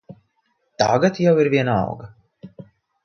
Tagad jau ir vienalga.